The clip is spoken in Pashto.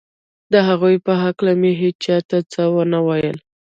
د هغو په هکله مې هېچا ته څه نه ویل